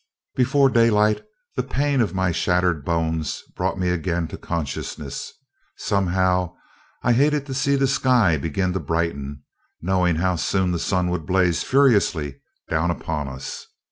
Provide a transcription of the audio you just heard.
Before daylight, the pain of my shattered bones brought me again to consciousness. Somehow, I hated to see the sky begin to brighten, knowing how soon the sun would blaze furiously down upon us.